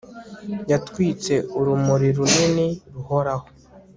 yatwitse urumuri runini ruhoraho